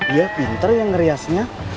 iya pinter ya ngeriasnya